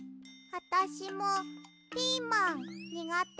あたしもピーマンにがて。